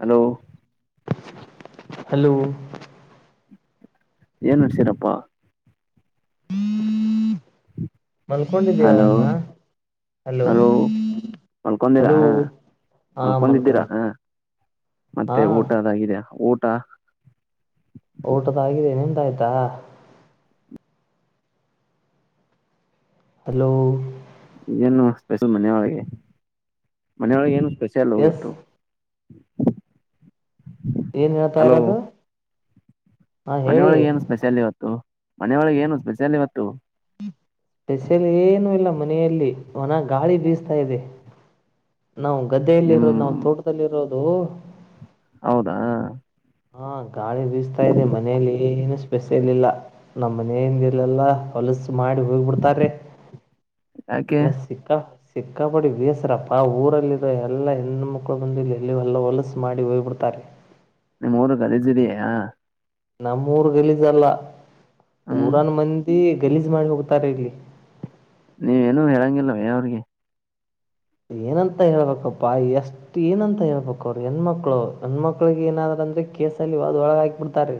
hello hello ಏನುಸೀರಪ್ಪಾ ಮಲ್ಕೊಂಡಿದೀಯ hello ಅವನ್ನ ಹಲೋ ಮಲ್ಕಂದೀರ ಹಲೋ ಹಾ ಹಾ ಮಲ್ಕಂದಂದಿದ್ದಿರಾ ಮಲ್ಕೊಂಡೆ ಹಾ ಹಾ ಮತ್ತೆ ಊಟದಾಗಿದ್ಯಾ ಊಟ ಊಟದಗಿದೆ ನಿಂತ ಆಾಯ್ತಾ ಹಲೋ ಏನು ಸ್ಪೆಷಲ್ ಮನೆಯೊಳಗೆ ಮನೆಯೊಳಗೆ ಏನು ಸ್ಪೆಷಲ್ ಎಸ್ ಹೋಗಿತ್ತು ಏನ್ ಹೇಳ್ತಾ ಇರೋದು ಹಾಂ ಹೇಳಿ ಮನೆೆಯೊಳಗೆ ಏನು ಸ್ಪೆಷಲ್ ಇವತ್ತು ಮನೆಯೊಳಗೆ ಏನು ಸ್ಪೆಷಲ್ ಇವತ್ತು ಸ್ಪೆಷಲ್ ಏನುೂ ಇಲ್ಲ ಮನೆಯಲ್ಲಿ ಒನ ಗಾಳಿ ಬೀಸ್ತಾ ಇದೆ ನಾವು ಗದ್ದೆಯಲ್ಲಿ ನಿಮ್ ಇರೋದು ನಾವವು ತೋಟದಲ್ಲಿರೋದು ಹೌದಾ ಹಾ ಗಾಳಿ ಬೀಸ್ತಾ ಇದೆ ಮನೆಯಲ್ಲಿ ಏನು ಸ್ಪೆಸ್ ಇಲ್ಲ ನಮ್ಮ್ ಮನನ್ಲಲ್ಲ ಕೆಲಸ ಮಾಡಿ ಹೋಗ್ ಬಿಿಡ್ತಾರೀ [inaudible] ಯಾಕೆ ಲಸಿಕ ಚಕ್ಕಬಡ್ಡಿ ಬೇಸರಪ್ಪ ಊರಲ್ಲಿರ ಎಲ್ಲ ಹೆಣ್ಣ ಮಕ್ಳು ಬಂದ ಎಲ್ಲಿ ಹೊಲ್ಲ ಹೊಲಸು ಮಾಡಿ ಹೋಗ್ಬ ಬಿಡ್ತಾರೆ ನಿಮ್ಮ್ೂರು ಕಲಿದ್ದ್ರಯ ನಮ್ಮೂರ್ ಲಿದಲ್ಲ ಹ್ಮ್ ಊರನ್ ಮಂದಿ ಗಲೀಜು ಮಾಡಿ ಹೋಗ್ತಾರೆ ಇರಲಿ ನೀವೇನುೂ ಹೇಳಂಗಿಲ್ಲವಏ ಅವ್ರಿಗೆ ಏನಂತ ಹೇಳ್ಬೇಕಪ್ಪಾ ಎಷ್ಟು ಏನಂತ ಹೇಳ್ಬೇಕ ಅವ್ರರು ಹೆಣ್ಮಕ್ಳು ಹೆಣ್ಮಕ್ಳಿಗೆ ಏನಾದ್ರೂ ಅಂದ್ರೆ ಕೇಸಲ್ಲಿ ಹಾದ ಒಳಗೆ ಹಾಕಿಬಿಡ್ತಾರೆ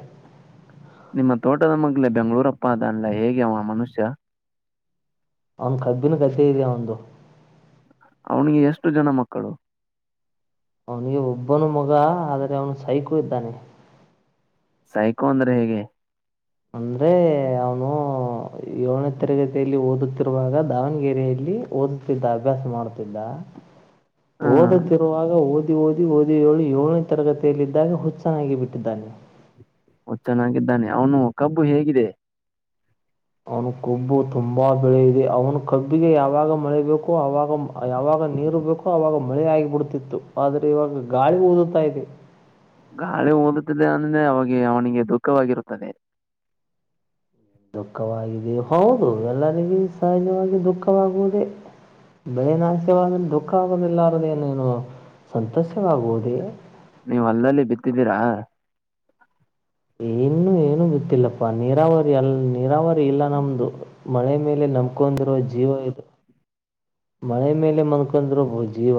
ನಿಮ್ಮ ತೋಟದ ಮಗ್ಲ ಬೆಂಗಳೂರಪ್ಪ ಅ ಅಲ್ಲ ಹೇಗೆ ಅವ ಮನುಷ್ಯ ಅವನ್ ಕಬ್ಬಿನ ಕತೆೆ ಇದಯ ಒಂದು ಅವನಿಗೆ ಎಷ್ಟು ಜನ ಮಕ್ಕಳು ಅವನಿಗೆ ಒಬ್ಬನು ಮಗ ಆದರೆ ಅವನು ಸೈಕು ಇದ್ದಾನೆ ತಾಯ್ಕೋ ಅಂದ್ರೆ ಹೇಗೆ ಅಂದ್ರೆ ಅವನು ಏ ದ ತರಗತಿಯಲ್ಲಿ ಓದುತ್ತಿರುವಾಗ ದಾವಣಗೆರೆಯಲ್ಲಿ ಓದುತ್ತಿದ್ದ ಅಭ್ಯಾಸ ಮಾಡುತ್ತಿದ್ದ ಹ್ಮ್ ಓದ ತರುವಾಗ ಊದ ಓದಿ ಓದಿ ಓದಿ ಏಳು ಏಳನೇ ತರಗತಿಯಲ್ಲ ಇದಿದ್ದಾಗ ಹುಚ್ಚನ್ನಾಗಿ ಬಿಟ್ಟಿದ್ದಾನೆ ಚೆನ್ನಾಗಿದ್ದಾನೆ ಅವನು ಕಬ್ಬು ಹೇಗಿದೆ ಅವನು ಕೊಬ್ಬು ತುಂಬಾ ಬೆಳೆ ಇದೆ ಅವನು ಕಬ್ಬಿಗೆ ಯಾವಾಗ ಮಳೆಬೇಕು ಅವಾಗ ಯಾವಾಗ ಾಗ ನೀರು ಬೇಕೋ ಆವಾಗ ಮಳೆ ಆಗಿಬ ಬಿಡ್ತಿತ್ತು ಆದ್ರೆ ಇವಾಗ ಗಾಳಿ ಓದುತ್ತಾ ಇದೆ ಗಾಳಿ ಓದುತ್ತಿಲ್ಲ ಅಂದ್ರೆ ಅವಿಗೆ ಅವನಿಗೆ ದುಃಖವಾಗಿರುತ್ತದೆ ದುಃಖವಾಗಿದೆ ಹೌದು ಎಲ್ಲರಿಗೂ ಸಹಜವಾಗಿ ದುಃಖವಾಗುವುದೇ ಭಯನಾಶವಾದ ದುಃಖ ಆಗೋುದಿಲ್ಲಾರರದು ಏನ ಏನು ಸಂತಸವಾಗುವುದೇ ನೀವು್ ಅಲ್ಲಲ್ಲಿ ಬಿತ್ತಿದ್ದೀರಾ ಇಏನ್ನು ಏನು ಗೊತ್ತಿಲ್ಲಪ್ಪಾ ನೀರಾವರಿ ಅಲ್ ನೀರಾವರಿ ಇಲ್ಲ ನಮ್ದು ಮಳೆ ಮೇಲೆ ನಂಬಕೊಂಡಿರುವ ಜೀವ ಇದು ಮಳೆ ಮೇಲೆ ಮನ್ಕಂದ್ರರು ಜೀವ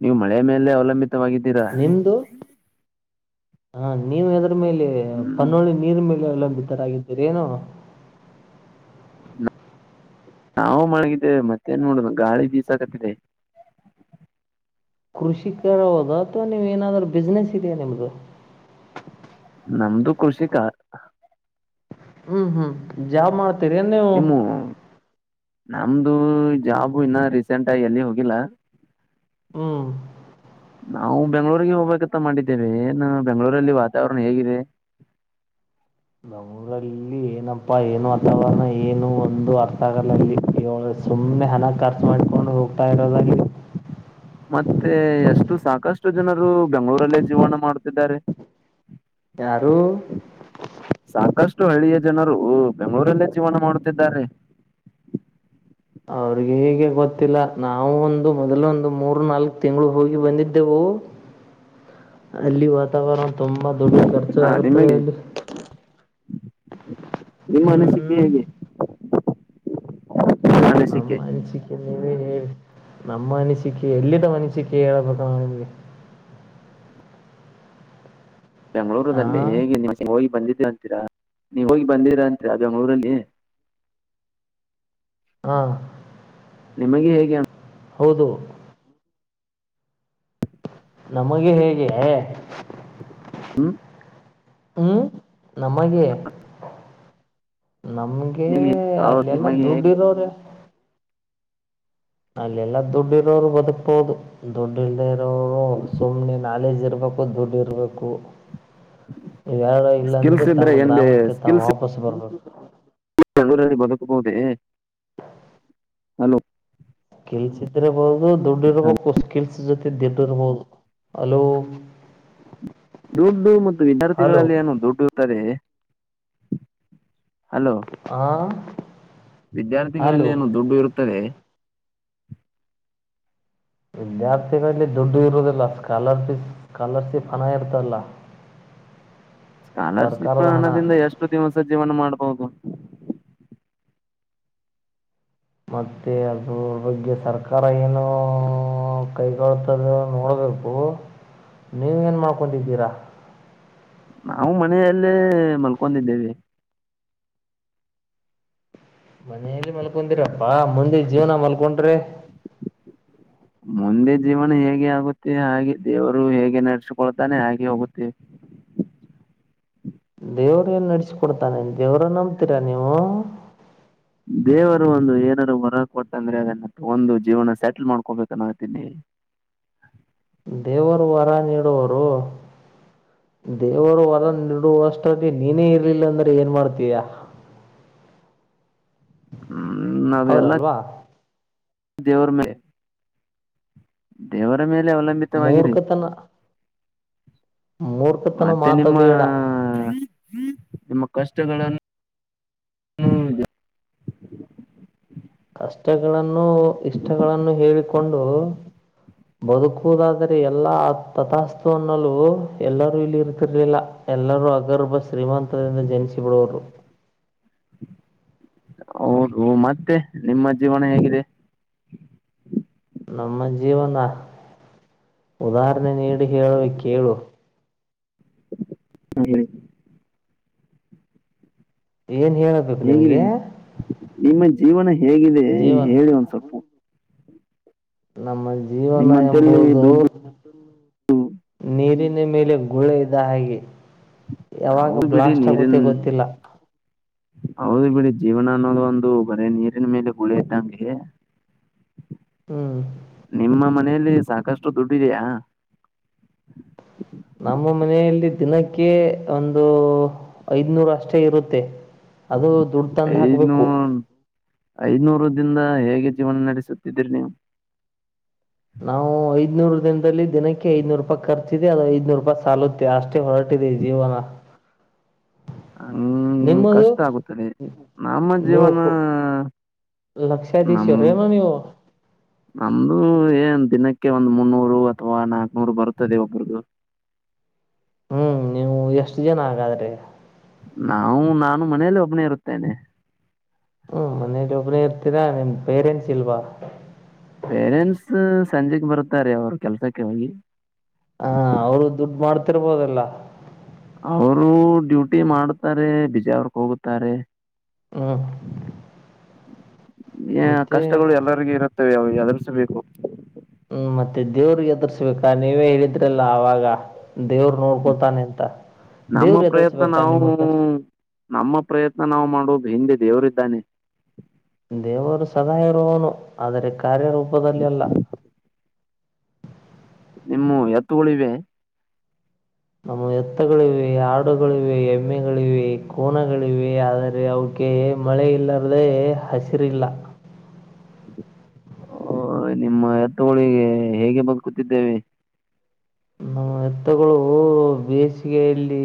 ನೀವು ಮಳೆ ಮೇಲೆ ಅವಲಂಬಿತವಾಗಿದ್ದೀರಾ ಹಾ ನೀವ ಎದ್ರ ಮೇಲೆ ಹ್ಮ್ ಪನ್ನುಳ್ಳಿ ನೀರ್ ಮೇಲೆ ಲಂಬಿತರಾಗಿದ್ದೀರಿ ಏನು ನಾವು ಮಳಗಿದ್ದೇವೆ ಮತ್ತೇನ್ ನೋಡುದು ಗಾಳಿ ಬೀಸಾಕತ್ತಿದೆ ಕೃಷಿಕರ ಹೋದ ಅಥವಾ ನೀವ್ ಏನಾದ್ೂ ಬಿಸ್ನೆಸ್ ಇದೆಯಾ ನಿಮ್ದು ನಮ್ದು ಕೃಷಿಕ ಹ್ಮ್ ಹ್ಮ್ ಜಾ ಮಾಡ್ತೀರಿ ಏನ್ ನೀವು ದು ಜಾಬು ಇನ್ನ ರೀಸೆಂಟ್ ಆಗಿ ಎಲ್ಲಿ ಹೋಗಿಲ್ಲ ಹ್ಮ್ ನಾವು ಬೆಂಗಗಳೂರಿಗೆ ಹೋಗ್ಬೇಕಂತ ಮಾಡಿದ್ದೇವೆ ಏನ್ ಬೆಂಗಳೂರಲ್ಲಿ ವಾತಾವರಣ ಹೇಗಿದೆ ನಮ್ಮೂರಲ್ಲಿ ಏನಪ್ಪಾ ಏನು ಅಥವಾನ ಏನು ಒಂದು ಅರ್ಥಗಳಲ್ಲಿ ಕಳ ಸುಮ್ಮ್ನೆ ಹನ ಖರ್ಚು ಮಾಡ್ಕೊಂಡು ಹೋಗ್ತಾ ಇರೋದಾಗಿ ಮತ್ತೆ ಎಷ್ಟು ಸಾಕಷ್ಟು ಜನರು ಬೆಂಗಳೂರಲ್ಲೇ ಜೀವನ ಮಾಡ್ತಿದ್ದಾರೆ ಯಾರು ಎಷ್ಟು ಹಳ್ಳಿಯ ಜನರು ಬೆಂಗಳೂರಲ್ಲೇ ಜೀವನ ಮಾಡುತ್ತಿದ್ದಾರೆ ಅವ್ರಿಗೆ ಹೀಗೆ ಗೊತ್ತಿಲ್ಲ ನಾವವು ಒಂದು ಮೊದಲು ಒಂದು ಮೂರ್ ನಾಲ್ಕು ತಿಂಗಳು ಹೋಗಿ ಬಂದಿದ್ದೆವು ಅಲ್ಲಿ ವಾತಾವರಣ ತುಂಬಾ ದೊಡ್ಡ ಖರ್ಚು ಹ ಆಗತದೆ ನಿಮಗೆ ಅಲ್ಲಿ ನಿಮ್ಮ ಅನಿಸಿಕ ಹ್ಮ್ ಹೇಗೆ ನಿಮ್ಮ ಅನಿಸಿಕೆ ನಮ್ಮ ಅನಸ ನೀ ಹೇಳಿ ನಮ್ಮ ಅನಿಸಿಕೆ ಎಲ್ಲಿಿದ್ದ ಅನಿಸಿಕೆ ಹೇಳೇಬೇಕ ನಾ ನಿಮ್ಗೆ ಆ ಬೆಂಗಳೂರಲ್ಲಿ ಹೇಗೆ ನಿಮ ಹೋಗಿ ಬಂದಿ ಅಂತೀರಾ ನೀವ್ ಹೋಗಿ ಬಂದಿರಾ ಅಂತೀರಾ ಅದ ಒಂಗ ಊರಲ್ಲಿ ಹಾ ನಿಮಗೆ ಹೇಗೆ ಹೌದು ನಮಗೆ ಹೇಗೆ ಹ್ಮ ಹ್ಮ್ ನಮಗೆ ನಮ್ಗೆ ನಿಮಗೆ ಹೌದು ಅಲ್ಲೆಲ್ಲಾ ನಿಮಗೆ ದುಡ್ಡು ಹೇಗೆ ಇರಾವ್ರೆ ಅಲ್ಲೆಲ್ಲಾ ದುಡ್ಡಿ ಇರೋರು ಬದುಕ್ಬಹುದು ದುಡ್ಡು ಇಲ್ದ ಇರೋರು ಸುಮ್ಮ್ನೆ ನಾಲೇಜ್ ಇರ್ಬು ತಪದ ದುಡ್ಡಿ ಇರಬೇಕು ಇರಡ ಇಲ್ಲಾಂದ್ರೆ ಸ್ಕಿಲ್ಸ್ ಇದ್ರೆ ತಮ್ಮ ಏನ್ ಗ್ರಾಮಕ್ಕೆ ತಾವು ವಾಪಸ್ ಬರ್ಬು ಬೆಗಳೂರಲ್ಲಿ ಬದುಕಬಹುದೇ ಹಲೋ ಕಿಲ್ಸ ಇದ್ರರಬಹುದು ದುಡ್ಡಿ ಇರ್ಬೇಕು ಸ್ಕಿಲ್ ದಟ ಅಲೋ ದುಡ್ಡು ಮತ್ತು ವಿದ್ಯಾರ್ಥಿಗಳಲ್ಲಿ ಏನು ದುಡ್ಡುತ್ತರೆ ಹಾ ವಿದ್ಯಾರ್ಥಿಗಳಲ್ಲಿ ಏನ ದುಡ್ಡು ಇರುತ್ತದೆ ವಿದ್ಯಾರ್ಥಿಗಳಲ್ಲಿ ದುಡ್ಡು ಇರುೋದಿಲ್ಲ ಸ್ಕಾಲರ್ಫಿ ಸ್ಕಾಲರ್ಶಿಪ್ ಹಣ ಇರ್ತಲ್ಲ ಸ್ಕಾಲರ್ಶಿಪ್ ಸರ್ಕಾರದ ಹಣ ಹಣದಿಂದ ಎಷ್ಟು ದಿವಸ ಜೀವನ ಮಾಡ್ಬಹುದು ಮತ್ತೆ ಅದ ಬಗ್ಗೆ ಸರ್ಕಾರ ಏನು ಕೈಗೊಳ್ಳತದ ನೋಡ ಸರ್ಬೋ ನೀವ ಏನು ಮಾಡ್ಕೊಂಡಿದ್ದೀರಾ ನಾವು ಮನೆಯಲ್ಲೇ ಮಲ್ಕೊಂಡಿದ್ದೇವೆ ಮನೇಲಿ ಮಲ್ಕೊಂಡಿರಪ್ಪಾ ಮುಂದೆ ಜೀವನ ಮಲ್ಕೊಂಡ್ರೆ ಮುಂದೆ ಜೀವನ ಹೇಗೆ ಆಗುತ್ತೆ ಹಾಗೆ ದೇವರು ಹೇಗೆ ನಡೆಸ್ಕೊಳ್ತಾನೆ ಹಾಗೆ ಹೋಗುತ್ತೆ ದೇವ್ರ ಎನ್ ನಡ್ಸ್ಿಕ ಕೊಡ್ತಾನೆ ದೇವ್ರ ನಂಬ್ತೀರಾ ನೀವು ದೇವರು ಒಂದು ಏನಾದಾರರು ಹೊರ ಕೊಟ್ಟಂದ್ರೆ ಅದನ್ನ ಒಂದು ಜೀವನ ಸೆಟಲ್ ಮಾಡ್ಕೊಬೇಕ ನೋ ಹತೀನಿ ಹ ದೇವರು ವರ ನೀಡುವರು ದೇವರು ಹೊರ ನಡುವಷ್ಟಾಗಿ ನೀನೇ ಇರ್ಲಿಲ್ಲ ಅಂದ್ರೆ ಏನ್ ಮಾಡ್ತೀಯ ಹ್ಮ್ ನಾವ್ ಎಲ್ಲಾ ಹೌದಲ್ವಾ ದೇವರ ಮ ದೇವರ ಮೇಲೆ ಅವಲಂಬಿತವಾಗಿರಿ ಮೂರ್ಖತನ ಮೂರ್ಖತನ ಮತ್ತೆ ಮಾತು ನಿಮ್ಮ ಬೇಡ ನಿಮ್ಮ ಕಷ್ಟಗಳನ್ನು ಕಷ್ಟಗಳನ್ನು ಇಷ್ಟಗಳನ್ನು ಹೇಳಿಕೊಂಡು ಬದುಕುವುದಾದರೆ ಎಲ್ಲಾ ತಥಾಸ್ತು ಅನ್ನಲ್ಲೂ ಎಲ್ಲರೂ ಇಲ್ಲಿ ಇರ್ತಿರ್ಲಿಲ್ಲ ಎಲ್ಲರೂ ಅಗರ್ಬ ಶ್ರೀಮಂತದಿಂದ ಜನಿಸಿ ಬಿಡೋರು [inaudible] ಹೌದು ಮತ್ತೆ ನಿಮ್ಮ ಜೀವನ ಹೇಗಿದೆ ನಮ್ಮ ಜೀವನ ಉದಾಹರಣೆ ನೀಡಿ ಹೇಳುವ ಕೇಳು ಹೀ ಏನ್ ಹೇಳಬೇಕು ಹೇಗಿದೆ ನಿಮಗೆ ನಿಮ್ಮ ಜೀವನ ಹೇಗಿದೆ ಜೀವನ ಹೇಳಿ ಒಂದ್ ಸ್ವಲ್ಪ ನಮ್ಮ ಜೀವನ ನಿಮ್ಮಂತಲ್ಲಿ ಎಂಬುದು ದುಡ್ಡು ನೀರಿನ ಮೇಲೆ ಗುಳೆ ಇದ್ದ ಹಾಗೆ ಯಾವಾಗ ಹೌದು ಬಿಡಿ ಬ್ಲಾಸ್ಟ್ ನೀರಿನ್ ಆಗುತ್ತೆ ಗೊತ್ತಿಲ್ಲ ಹೌದು ಬಿಡಿ ಜೀವನ ಅನ್ನೋದು ಒಂದು ಬರೇ ನೀರಿನ ಮೇಲೆ ಗುಳಿ ಇದ್ದಂಗೆ ಹ್ಮ್ ನಿಮ್ಮ ಮನೆಯಲ್ಲಿ ಸಾಕಷ್ಟು ದುಡ್ಡಿದೆಯಾ ನಮ್ಮ ಮನೆಯಲ್ಲಿ ದಿನಕ್ಕೆ ಒಂದು ಐದ್ನೂರ ಅಷ್ಟೇ ಇರುತ್ತೆ ಅದು ದುಡ್ಡು ತಂದು ಐನೂ ಹಾಕಬೇಕು ಐನೂರು ಿಂದ ಹೇಗೆ ಜೀವನ ನಡೆಸುತ್ತಿದ್ದೀರಿ ನೀವು ನಾವು ಐದ್ನೂರು ದಿನದಲ್ಲಿ ದಿನಕ್ಕೆ ಐದನೂರು ರೂಪಾಯಿ ಖರ್ಚಿದಿದೆ ಅದು ಐದನೂರು ರೂಪಿ ಸಾಲುತ್ತೆ ಅಷ್ಟೇ ಹೊರಟ ಟ್ಟಜಾ [inaudible] ಹ ನಿಮ್ಮದು ಕಷ್ಟ ಆಗುತ್ತದೆ ನಮ್ಮ ಜೀವನ ನಮ ಲಕ್ಷಾಧೀಶ್ವರೇನ ನೀವು ನಮ್ದು ಏಂತ ದಿನಕ್ಕೆ ಒಂದ್ ಮುನ್ನೂರು ಅಥವಾ ನಾಕ್ನೂರು ಬರುತ್ತದೆ ಒಬ್ರದು ಹ್ಮ್ ನೀವು ಎಷ್ಟು ಜನ ಹಾಗಗಾದ್ರೆ ಮನೇಲ್ಲ ಒಬ್ನೇ ಇರುತ್ತೇನೆ ಹ್ಮ್ ಮನೇಲಿ ಒಬ್ನೇ ಇರ್ತೀರಾ ನಿಮ್ ಪೇರೆಂಟ್ಸ್ ಇಲ್ವಾ ಪೇರೆಂಟ್ಸ್ ಸಂಜೆೆಗೆ ಬರ್ತಾರೆ ಅವ್ರ ಕೆಲ್ಸಕ್ಕೆ ಹೋಗಿ ಹಾ ಅವ್ರು ದುಡ್ಡು ಮಾಡ್ತಿರ್ಬೋದಲ್ಲ ಅವರು ಡ್ಯೂಟಿ ಮಾಡತಾರೆ ಬಿಜಾವ್ರಕ್ ಹೋಗುತ್ತಾರೆ ಹ್ಮ ಕಷ್ಟಗಳು ಎಲ್ಲರಿಗೂ ಇರುತ್ತವೆ ಅವವು ಎದುರ್ರಿಸಬೇಕು ಹ್ಮ್ ಮತ್ತೆ ದೇವ್ರಿಗೆ ಎದುರ್ಸ್ಬೇಕಾ ನೀವೇ ಹೇಳಿದ್ರಲ್ಲ ಆಾಗ ದೇವರು ನೋಡ್ಕೊತಾನೆ ಎಂತ ನಮ್ಮ ಪ್ರಯತ್ನ ನಾವು ನಮ್ಮ ಪ್ರಯತ್ನ ನಾವು ಮಾಡೋದು ಹಿಂದೆ ದೇವರು ಇದ್ದಾನೆ ದೇವರು ಸದಾ ಇರುವನು ಆದರೆ ಕಾರ್ಯರೂಪದಲ್ಲಿ ಅಲ್ಲ [inaudible] ಹ ಎತ್ತುಗಳ ಇಿವೆ ನಮ್ಮ ಎತ್ತಗಳಿವೆ ಹಾಡುಗಳಿವೆ ಎಮ್ಮೆಗಳಿವೆ ಕೋನಗಳಿವೆ ಆದರೆ ಕೆ ಮಳೆ ಇಲ್ಲಾರದೆೇ ಹಸಿರಿಲ್ಲ [inaudible] ನಿಮ್ಮ ಎತ್ತ ಹಳಿಗೆ ಹೇಗೆ ಬದುಕೂತಿದ್ದೇವೆ ನಮ್ಮ ಎತ್ತಗಳು ಬೇಸಿಗೆಯಲ್ಲಿ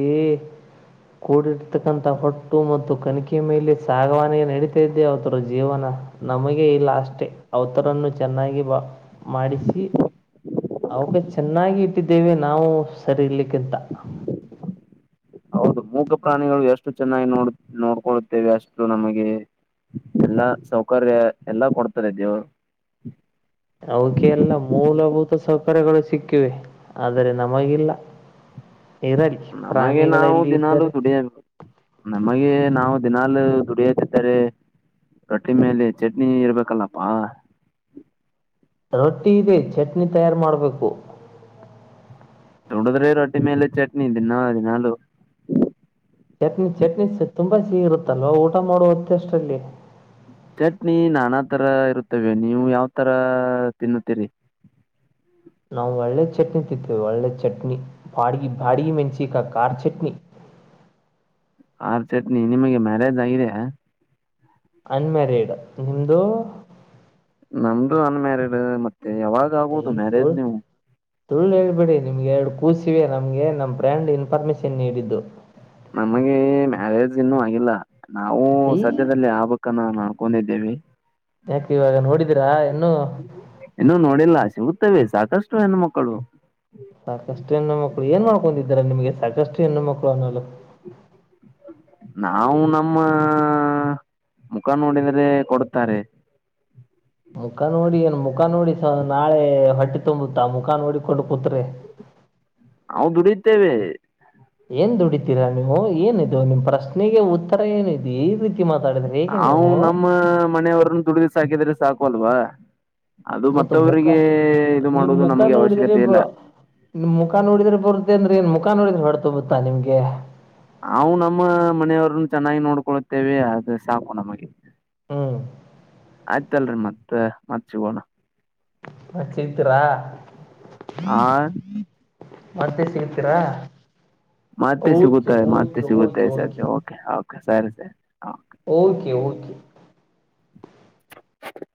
ಕೂಡಿರ್ತಕ್ಕಂತಥ ಹೊಟ್ಟು ಮತ್ತು ಕಣಿಿಕೆ ಮೇಲೆ ಸಾಗವಾಣೆ ನಡೀತಾ ಇದ್ದೆ ಅವತರ ಜೀವನ ನಮಗೆ ಇಲ್ಲ ಅಷ್ಟೆ ಅವತರನ್ನು ಚೆನ್ನಾಗಿ ಬ ಮಾಡಿಸಿ ಅವಕ ಚೆನ್ನಾಗಿ ಇಟ್ಟಿದ್ದೇವೆ ನಾವು ಸರಿ ಇರ್ಲಿಕ್ಕಂತ ಹೌದು ಮೂಗ ಪ್ರಾಣಿಗಳು ಎಷ್ಟು ಚೆನ್ನಾಗಿ ನೋಡ್ ನೋಡ್ಕೊಳ್ಳುತ್ತೇವೆ ಅಷ್ಟು ನಮಗೆ ಎಲ್ಲಾ ಸೌಕರ್ಯ ಎಲ್ಲಾ ಕೊಡ್ತಾರೆ ಇದೆವು ಅವಕೆಲ್ಲ ಮೂಲಭೂತ ಸೌಕರ್ಯಗಳು ಸಿಕ್ಕಿವೆ ಆದರೆ ನಮಗಿಲ್ಲ ಇರಲಿ ನಮಗೆ ನಾವು ಪ್ರಾಣಿಗಳಲ್ಲಿ ದಿನಲು ಇದ್ದರೆ ದುಡಿಯ ನಮಗೆ ನಾವು ದಿನಲ್ ದುಡಿಯಾಗಾರೆ ರೊಟ್ಟಿ ಮೇಲೆ ಚಟ್ನಿ ಇರ್ಬೇಕಲ್ಲಪ್ಪಾ ರೊಟ್ಟಿ ಇದೆ ಚಟ್ನಿ ತಯಾರು ಮಾಡಬೇಕು ನೋಡದ್ರಿ ರೊಟ್ಟಿ ಮೇಲೆ ಚಟ್ನಿ ದಿನಾದಿನಾಲು ಚಟ್ನಿ ಚಟ್ನಿ ತುಂಬಾ ಸೀಗ ಇರುತ್ತಲ್ವ ಊಟ ಮಾಡುವತ್ತ ಅಷ್ಟಲ್ಲಿ ಚಟ್ನಿ ನಾನಾ ತರ ಇರುತ್ತವೆ ನೀವು ಯಾವ ತರ ತಿನ್ನುತ್ತೀರಿ [inaudible] ನಾವು ಒಳ್ಳೆ ಚಟ್ನಿ ತಿತ್ತೇವಿ ಒಳ್ಳೆ ಚಟ್ನಿ ಬಾಡಗ ಬಾಡಿಗೆ ಮೆಣಸಿಕಾ ಖಾರ್ ಚಟ್ನಿ ಆರ್ ಚಟ್ನಿ ನಿಮಗೆ ಮ್ಯಾರೇಜ್ ಆಗಿದೆ ಅನ್ಮ್ಯಾರೀಡ್ ನಿಮ್ದು ನಮ್ದು ಅನ್ಮ್ಯಾರಿಡ್ ಮತ್ತೆ ಯಾವಾಗ ಈ ಆಗೋದು ಮ್ಯಾರೇಜ್ ಸುಳ್ಳು ನೀವು ಸುಳ್ಳು ಹೇಳೇಳ್ಬೇಡಿ ನಿಮ್ಗೆ ಎರಡು ಕೂಸಿವೆ ನಮಗೆ ನಮ್ಮ ಫ್ರ್ಯಾಂಡ್ ಇನ್ಫಾರ್ಮೇಶನ್ ನೀಡಿದ್ದು ನಮಗೆ ಮ್ಯಾರೇಜ್ ಇನ್ನುೂ ಆಗಿಲ್ಲ ನಾವು ಐ ಸದ್ಯದಲ್ಲಿ ಆ ಕ್ಕನಾ ನ ಕೊಡಿದ್ದೇವೆ ಯಾಕೆ ಇವಾಗ ನೋಡಿದೀರಾ ಇನ್ನುೂ ನೋಡಿಲ್ಲ ಸಿಗುತ್ತವೆ ಸಾಕಷ್ಟು ಹೆಣು ಮಕ್ಕಳು ಸಾಕಷ್ಟು ಹೆಣ್ಣು ಮಕ್ಳು ಏನ್ ಮಾಡ್ಕೊಂಡಿದ್ದಾರ ನಿಮ್ಗೆ ಸಾಕಷ್ಟು ಹೆಣ್ಣು ಮಕ್ಕಳು ಅನ್ನೋಲು ನಾವು ನಮ್ಮ ಮುಖ ನೋಡಿದ್ರೆ ಕೊಡುತ್ತಾರೆ ಮುಖ ನೋಡಿ ಏನ್ ಮುಖ ನೋಡಿ ನಾಳೆ ಹೊಟ್ಟೆ ತಂಬುತ್ತಾ ಮುಖಾನ್ ಹೊಡಿಕೊಂಡು ಕೂತ್ರೆೆ ನಾವು ದುಡಿದ್ದೇವೆ ಏನ್ ದುಡಿತೀರಾ ನೀವು ಏನಿದ ನಿಮ್ಮ್ ಪ್ರಶ್ನೆಗೆ ಉತ್ತರ ಏನಿದು ಈ ರೀತಿ ಮಾತಾಡಿದ್ರೆ ಹೇಗೆ ನಾವು ನೀವು ನಮ್ಮ ಮನೆಯವ್ರನ್ನ ದುಡಿದ್ರು ಸಾಕಿದ್ರೆ ಸಾಕುಲ್ವಾ ಅದು ಮತ್ತ ಮುಖ ಮತ್ತವರಿಗೆ ಇದು ನಿಮ್ ಮಾಡುವುದು ಮುಖ ನಮಗೆ ನೋಡಿದ್ರೆ ಅವಶ್ಯಕತೆ ಬ ಇಲ್ಲ ನಿಮ್ ಮುಖ ನೋಡಿದ್ರೆ ಬರುತ್ತೆ ಅಂದ್ರೆ ಏನ್ ಮುಖ ನೋಡಿದ್ರೆ ಹೊರತೊ ಬುತ್ತಾ ನಿಮ್ಗೆ ನಾವು ನಮ್ಮ ಮನೆಯವ್ರನ್ನು ಚೆನ್ನಾಗಿ ನೋಡ್ಕೊೊಳ್ಳುತ್ತೇವೆ ಅದು ಸಾಕು ನಮಗೆ ಹ್ಮ್ ಆಯ್ತಲ್ರಿ ಮತ್ತತ್ ಮತ್ ಸಿಗೋಣ ಹ ಚರ್ತೀರಾ ಆ ಮತ್ತೆ ಸಿಗತೀರಾ ಮತ್ತೆ ಸಿಗುತ್ತಾರೆ ಮತ್ತೆ ಸಿಗುತ್ತೆ ಓಕೆ ಸಧ್ಯ ಓಕೆಕೆ ಸರಿ ಸರಿ ಓಕೆ ಓಕೆ [unintelligible]